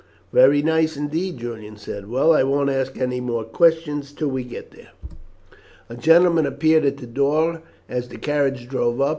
"Very nice indeed!" Julian said. "Well, I won't ask any more questions till we get there." A gentleman appeared at the door as the carriage drove up.